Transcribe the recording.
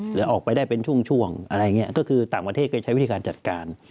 หรือออกไปได้เป็นช่วงอะไรอย่างนี้ก็คือต่างประเทศก็ใช้วิธีการจัดการ